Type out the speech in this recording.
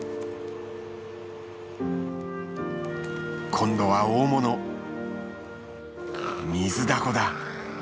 今度は大物ミズダコだ。